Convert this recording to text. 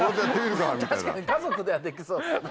確かに家族ではできそうですよね。